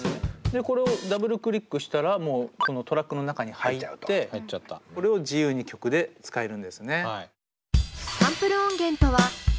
でこれをダブルクリックしたらもうこのトラックの中に入ってこれを自由に曲で使えるんですね。